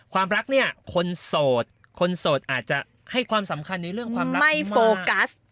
ความรักเนี่ยคนโสดคนโสดอาจจะให้ความสำคัญในเรื่องความรักไม่โฟกัส